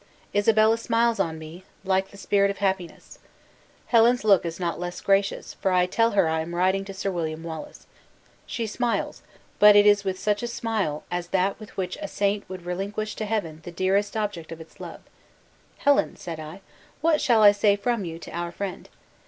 Isabella smiles on me, like the spirit of happiness. Helen's look is not less gracious, for I tell her I am writing to Sir William Wallace. She smiles, hut it is with such a smile as that with which a saint would relinquish to Heaven the dearest object of its love. 'Helen,' said I, 'what shall I say from you to our friend?'